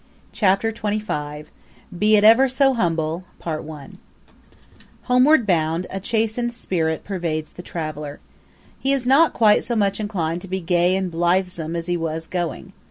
Chapter XXV Be it Ever so Humble Homeward bound, a chastened spirit pervades the traveler. He is not quite so much inclined to be gay and blithesome as he was going.